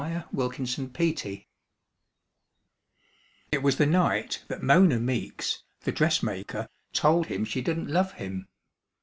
A CHILD OF THE RAIN IT was the night that Mona Meeks, the dressmaker, told him she didn't love him.